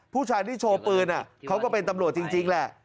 ผู้ชายที่โชว์ปืนเขาก็เป็นตำรวจจริงแหละ